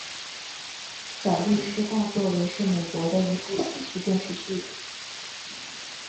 小律师大作为是美国的一部喜剧电视剧。